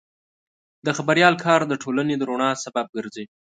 د خبریال کار د ټولنې د رڼا سبب ګرځي.